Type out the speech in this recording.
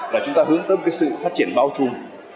là chúng ta hướng tâm sự phát triển bao trùm